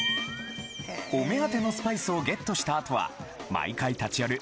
お目当てのスパイスをゲットした後は毎回立ち寄る